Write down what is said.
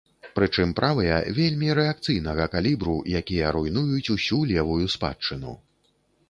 Прычым, правыя вельмі рэакцыйнага калібру, якія руйнуюць усю левую спадчыну.